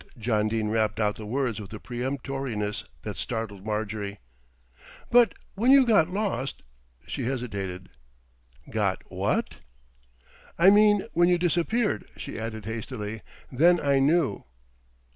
John Dene rapped out the words with a peremptoriness that startled Marjorie. "But when you got lost " She hesitated. "Got what?" "I mean when you disappeared," she added hastily, "then I knew."